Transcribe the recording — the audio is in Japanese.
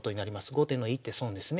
後手の１手損ですね。